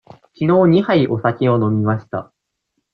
きのう二杯お酒を飲みました。